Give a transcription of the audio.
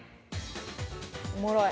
おもろい。